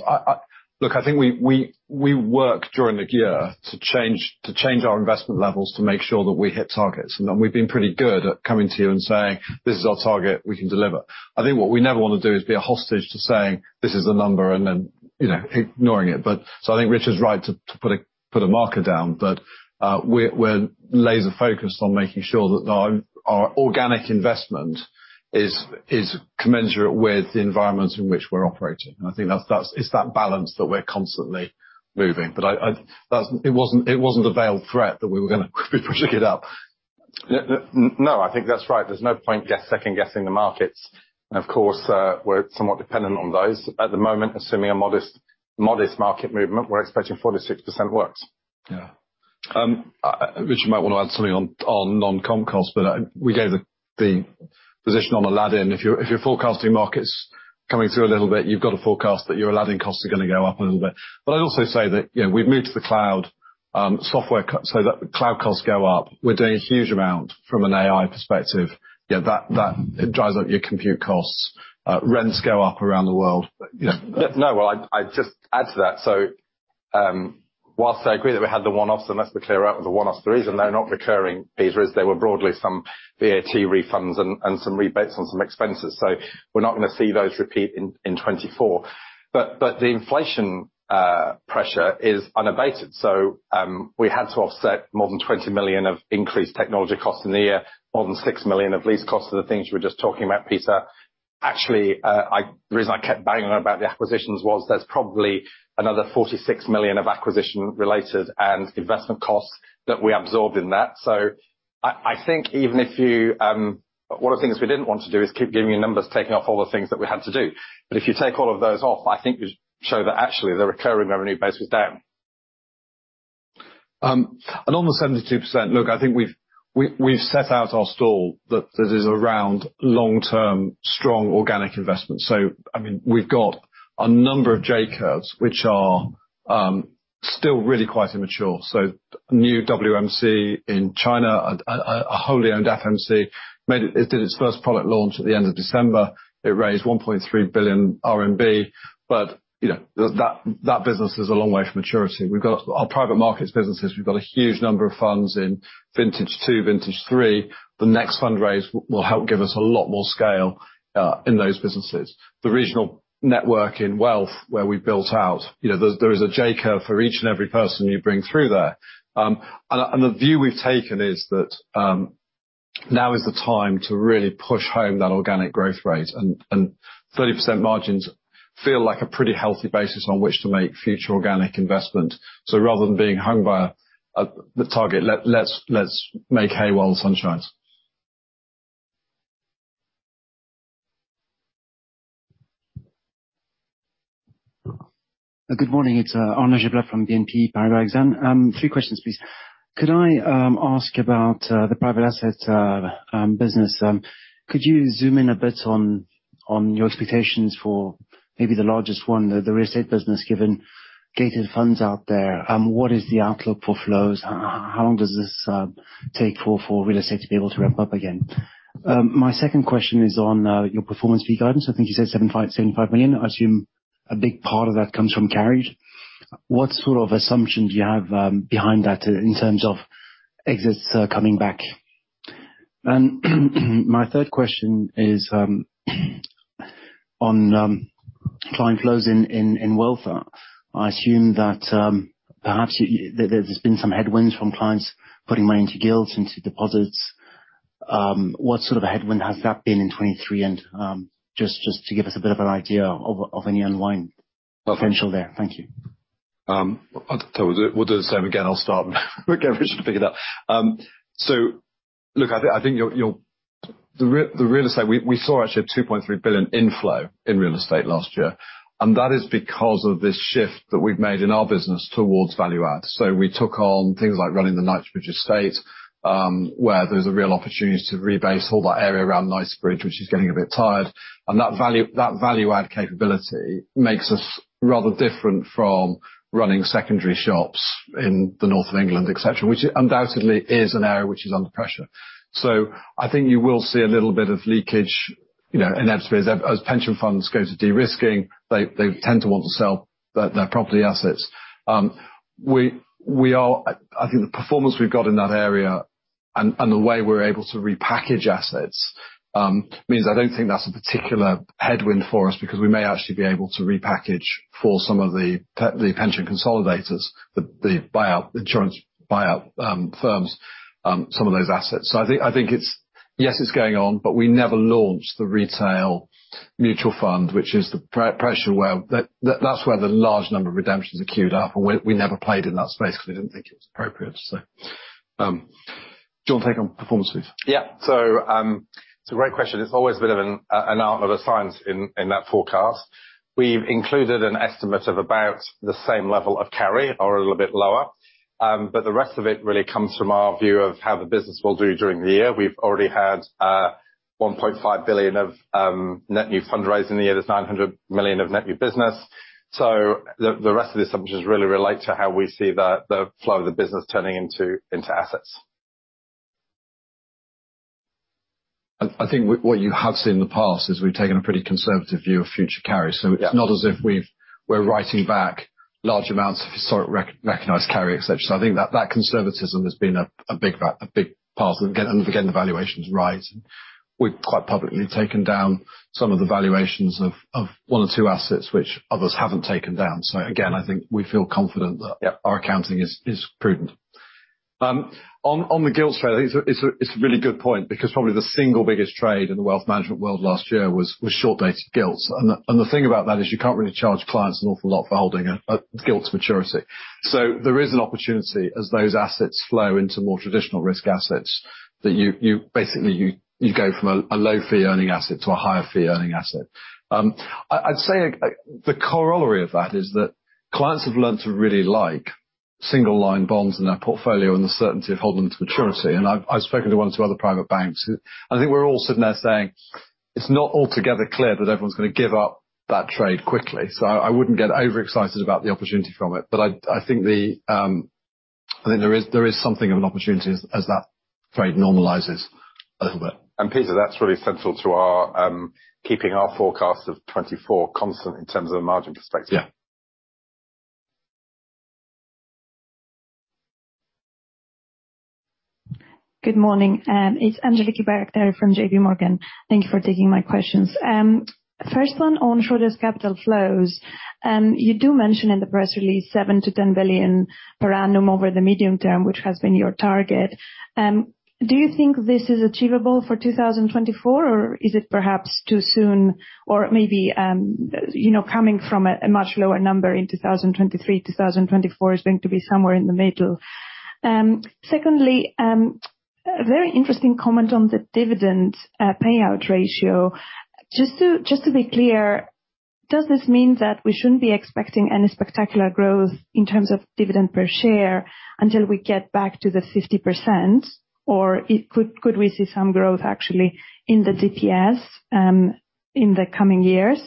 look, I think we work during the year to change our investment levels to make sure that we hit targets. And we've been pretty good at coming to you and saying, "This is our target. We can deliver." I think what we never want to do is be a hostage to saying, "This is the number," and then ignoring it. So I think Richard's right to put a marker down. But we're laser-focused on making sure that our organic investment is commensurate with the environments in which we're operating. And I think it's that balance that we're constantly moving. But it wasn't a veiled threat that we were going to be pushing it up. No. I think that's right. There's no point second-guessing the markets. Of course, we're somewhat dependent on those. At the moment, assuming a modest market movement, we're expecting 46% works. Yeah. Richard might want to add something on non-comp costs. But we gave the position on Aladdin. If you're forecasting markets coming through a little bit, you've got to forecast that your Aladdin costs are going to go up a little bit. But I'd also say that we've moved to the cloud software, so that cloud costs go up. We're doing a huge amount from an AI perspective. That drives up your compute costs. Rents go up around the world. No. Well, I'd just add to that. So whilst I agree that we had the one-offs, and let's be clear about what the one-offs were for reason, they're not recurring, Peter, as they were broadly some VAT refunds and some rebates on some expenses. So we're not going to see those repeat in 2024. But the inflation pressure is unabated. So we had to offset more than 20 million of increased technology costs in the year, more than 6 million of lease costs, and the things you were just talking about, Peter. Actually, the reason I kept banging on about the acquisitions was there's probably another 46 million of acquisition-related and investment costs that we absorbed in that. So I think even if you one of the things we didn't want to do is keep giving you numbers taking off all the things that we had to do. If you take all of those off, I think you show that actually, the recurring revenue base was down. On the 72%, look, I think we've set out our stall that is around long-term, strong organic investments. So I mean, we've got a number of J-curves, which are still really quite immature. So new WMC in China, a wholly owned FMC, did its first product launch at the end of December. It raised 1.3 billion RMB. But that business is a long way from maturity. Our private markets businesses, we've got a huge number of funds in vintage two, vintage three. The next fundraise will help give us a lot more scale in those businesses. The regional network in wealth where we built out, there is a J-curve for each and every person you bring through there. And the view we've taken is that now is the time to really push home that organic growth rate. 30% margins feel like a pretty healthy basis on which to make future organic investment. Rather than being hung by the target, let's make hay while the sun shines. Good morning. It's Arnaud Giblat from BNP Paribas. Three questions, please. Could I ask about the private asset business? Could you zoom in a bit on your expectations for maybe the largest one, the real estate business, given gated funds out there? What is the outlook for flows? How long does this take for real estate to be able to ramp up again? My second question is on your performance fee guidance. I think you said 75 million. I assume a big part of that comes from carried. What sort of assumption do you have behind that in terms of exits coming back? And my third question is on client flows in wealth. I assume that perhaps there's been some headwinds from clients putting money into gilts, into deposits. What sort of a headwind has that been in 2023? Just to give us a bit of an idea of any unwind potential there. Thank you. I'll do the same again. I'll start and get Richard to pick it up. So look, I think the real estate we saw actually a 2.3 billion inflow in real estate last year. And that is because of this shift that we've made in our business towards value add. So we took on things like running the Knightsbridge Estate, where there's a real opportunity to rebase all that area around Knightsbridge, which is getting a bit tired. And that value-add capability makes us rather different from running secondary shops in the north of England, etc., which undoubtedly is an area which is under pressure. So I think you will see a little bit of leakage in hedge spheres. As pension funds go to de-risking, they tend to want to sell their property assets. I think the performance we've got in that area and the way we're able to repackage assets means I don't think that's a particular headwind for us because we may actually be able to repackage for some of the pension consolidators, the insurance buyout firms, some of those assets. So I think, yes, it's going on. But we never launched the retail mutual fund, which is the pressure where that's where the large number of redemptions accumulated up. And we never played in that space because we didn't think it was appropriate, so. Rich, take on performance, please. Yeah. So it's a great question. It's always a bit of an art or a science in that forecast. We've included an estimate of about the same level of carry or a little bit lower. But the rest of it really comes from our view of how the business will do during the year. We've already had 1.5 billion of net new fundraising in the year. There's 900 million of net new business. So the rest of the assumptions really relate to how we see the flow of the business turning into assets. I think what you have seen in the past is we've taken a pretty conservative view of future carry. So it's not as if we're writing back large amounts of historically recognized carry, etc. So I think that conservatism has been a big part. And again, the valuations rise. And we've quite publicly taken down some of the valuations of one or two assets, which others haven't taken down. So again, I think we feel confident that our accounting is prudent. On the gilts trade, I think it's a really good point because probably the single biggest trade in the wealth management world last year was short-dated gilts. And the thing about that is you can't really charge clients an awful lot for holding a gilt to maturity. So there is an opportunity as those assets flow into more traditional risk assets that basically, you go from a low-fee-earning asset to a higher-fee-earning asset. I'd say the corollary of that is that clients have learned to really like single-line bonds in their portfolio and the certainty of holding them to maturity. And I've spoken to one or two other private banks. And I think we're all sitting there saying, "It's not altogether clear that everyone's going to give up that trade quickly." So I wouldn't get overexcited about the opportunity from it. But I think there is something of an opportunity as that trade normalizes a little bit. Peter, that's really central to keeping our forecast of 2024 constant in terms of a margin perspective. Yeah. Good morning. It's Angeliki Bairaktari from JPMorgan. Thank you for taking my questions. First one on Schroders Capital flows. You do mention in the press release 7 billion-10 billion per annum over the medium term, which has been your target. Do you think this is achievable for 2024? Or is it perhaps too soon? Or maybe coming from a much lower number in 2023, 2024 is going to be somewhere in the middle. Secondly, a very interesting comment on the dividend payout ratio. Just to be clear, does this mean that we shouldn't be expecting any spectacular growth in terms of dividend per share until we get back to the 50%? Or could we see some growth, actually, in the DPS in the coming years?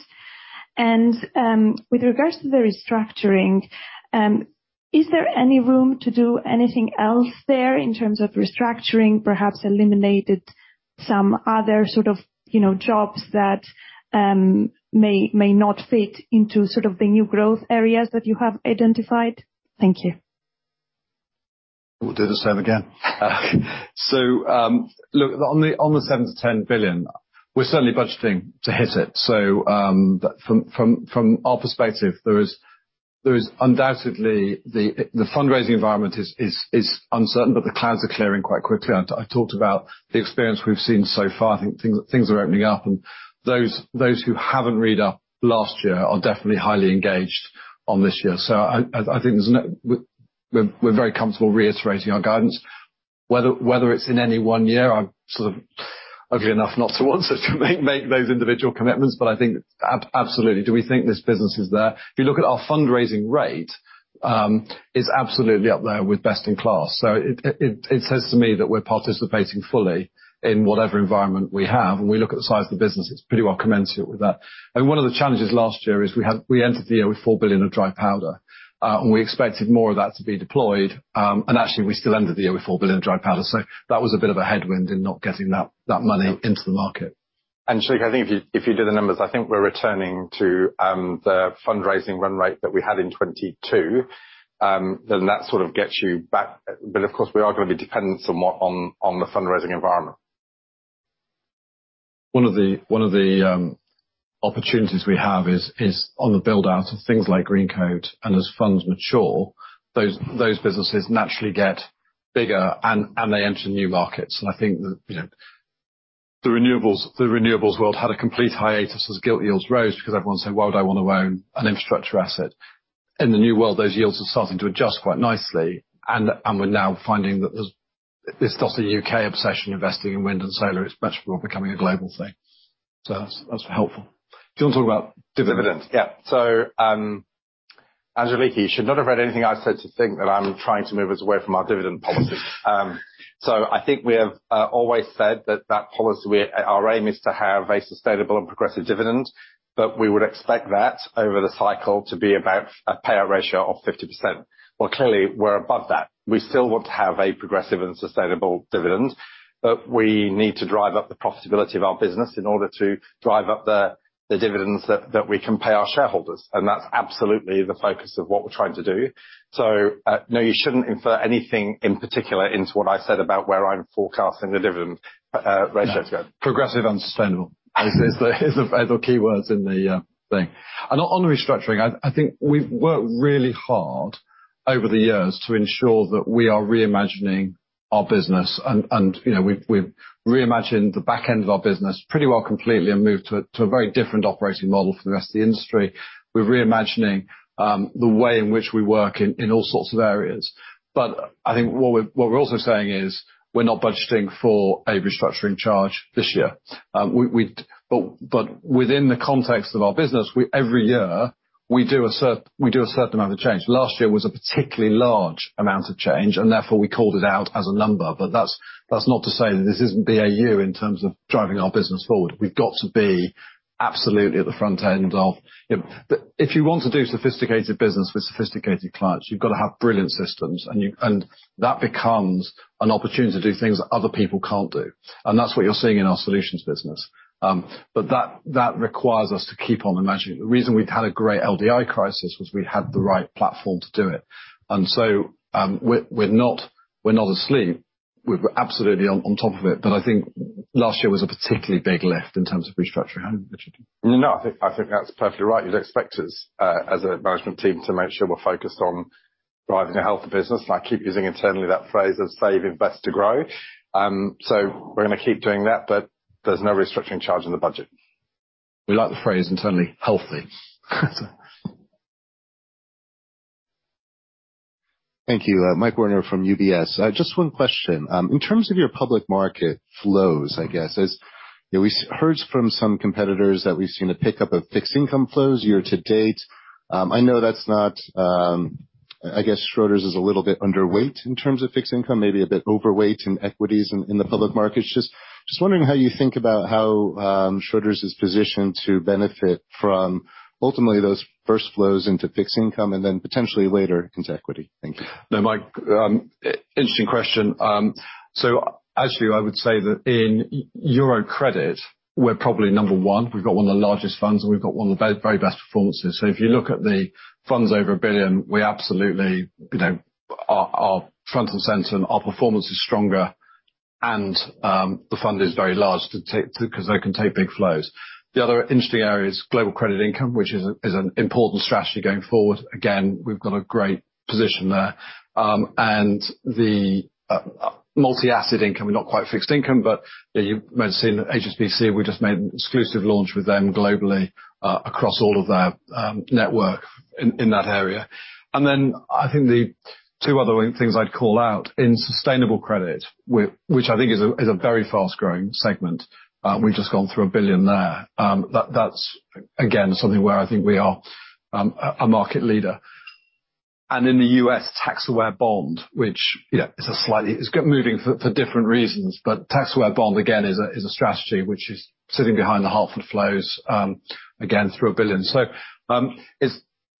With regards to the restructuring, is there any room to do anything else there in terms of restructuring, perhaps eliminating some other sort of jobs that may not fit into sort of the new growth areas that you have identified? Thank you. We'll do the same again. So look, on the 7 billion-10 billion, we're certainly budgeting to hit it. So from our perspective, there is undoubtedly the fundraising environment is uncertain. But the clouds are clearing quite quickly. I talked about the experience we've seen so far. I think things are opening up and those who haven't re-upped last year are definitely highly engaged on this year. So I think we're very comfortable reiterating our guidance. Whether it's in any one year, I'm sort of ugly enough not to answer to make those individual commitments. But I think absolutely. Do we think this business is there? If you look at our fundraising rate, it's absolutely up there with best-in-class. So it says to me that we're participating fully in whatever environment we have. And we look at the size of the business. It's pretty well commensurate with that. I mean, one of the challenges last year is we entered the year with 4 billion of dry powder. We expected more of that to be deployed. Actually, we still ended the year with 4 billion of dry powder. That was a bit of a headwind in not getting that money into the market. Angeliki, I think if you do the numbers, I think we're returning to the fundraising run rate that we had in 2022. Then that sort of gets you back. But of course, we are going to be dependent on the fundraising environment. One of the opportunities we have is on the build-out of things like Greencoat. As funds mature, those businesses naturally get bigger. They enter new markets. I think the renewables world had a complete hiatus as gilt yields rose because everyone's saying, "Why would I want to own an infrastructure asset?" In the new world, those yields are starting to adjust quite nicely. We're now finding that it's not a U.K. obsession investing in wind and solar. It's much more becoming a global thing. So that's helpful. Rich, talk about dividend. Dividend. Yeah. So, Angeliki, you should not have read anything I said to think that I'm trying to move us away from our dividend policy. So, I think we have always said that our aim is to have a sustainable and progressive dividend. But we would expect that over the cycle to be about a payout ratio of 50%. Well, clearly, we're above that. We still want to have a progressive and sustainable dividend. But we need to drive up the profitability of our business in order to drive up the dividends that we can pay our shareholders. And that's absolutely the focus of what we're trying to do. So, no, you shouldn't infer anything in particular into what I said about where I'm forecasting the dividend ratio to go. Progressive and sustainable are the key words in the thing. On restructuring, I think we've worked really hard over the years to ensure that we are reimagining our business. We've reimagined the back end of our business pretty well completely and moved to a very different operating model for the rest of the industry. We're reimagining the way in which we work in all sorts of areas. I think what we're also saying is we're not budgeting for a restructuring charge this year. Within the context of our business, every year, we do a certain amount of change. Last year was a particularly large amount of change. Therefore, we called it out as a number. That's not to say that this isn't BAU in terms of driving our business forward. We've got to be absolutely at the front end of if you want to do sophisticated business with sophisticated clients, you've got to have brilliant systems. And that becomes an opportunity to do things other people can't do. And that's what you're seeing in our solutions business. But that requires us to keep on imagining. The reason we'd had a great LDI crisis was we had the right platform to do it. And so we're not asleep. We're absolutely on top of it. But I think last year was a particularly big lift in terms of restructuring. No, no. I think that's perfectly right. You'd expect us as a management team to make sure we're focused on driving a healthy business. And I keep using internally that phrase of, "Save invest to grow." So we're going to keep doing that. But there's no restructuring charge in the budget. We like the phrase internally, "healthy. Thank you. Mike Werner from UBS. Just one question. In terms of your public market flows, I guess, we heard from some competitors that we've seen a pickup of fixed income flows year to date. I know that's not, I guess Schroders is a little bit underweight in terms of fixed income, maybe a bit overweight in equities in the public market. Just wondering how you think about how Schroders is positioned to benefit from, ultimately, those first flows into fixed income and then potentially later into equity. Thank you. No, Mike. Interesting question. So actually, I would say that in EURO Credit, we're probably number one. We've got one of the largest funds. And we've got one of the very best performances. So if you look at the funds over a billion, we absolutely are front and centre. And our performance is stronger. And the fund is very large because they can take big flows. The other interesting area is Global Credit Income, which is an important strategy going forward. Again, we've got a great position there, and the Multi-Asset Income, we're not quite fixed income. But you may have seen HSBC. We just made an exclusive launch with them globally across all of their network in that area. And then I think the two other things I'd call out in Sustainable Credit, which I think is a very fast-growing segment, we've just gone through a billion there. That's, again, something where I think we are a market leader. And in the U.S., Tax-Aware Bond, which it's moving for different reasons. But Tax-Aware Bond, again, is a strategy which is sitting behind the Hartford flows, again, through $1 billion. So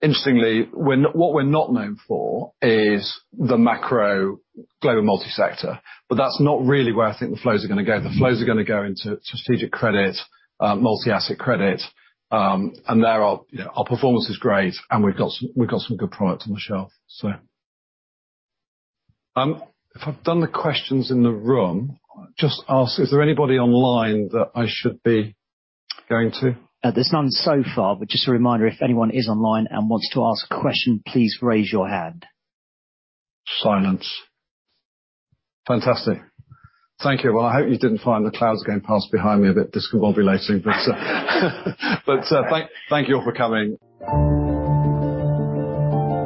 interestingly, what we're not known for is the macro global multi-sector. But that's not really where I think the flows are going to go. The flows are going to go into strategic credit, multi-asset credit. And our performance is great. And we've got some good product on the shelf, so. If I've done the questions in the room, just ask. Is there anybody online that I should be going to? There's none so far. But just a reminder, if anyone is online and wants to ask a question, please raise your hand. Silence. Fantastic. Thank you. Well, I hope you didn't find the clouds going past behind me a bit discombobulating. But thank you all for coming.